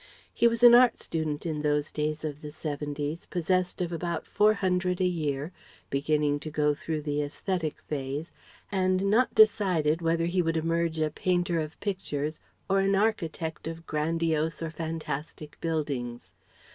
He was an art student in those days of the 'seventies, possessed of about four hundred a year, beginning to go through the aesthetic phase, and not decided whether he would emerge a painter of pictures or an architect of grandiose or fantastic buildings.